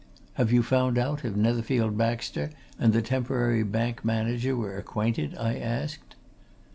"Have you found out if Netherfield Baxter and the temporary bank manager were acquainted?" I asked.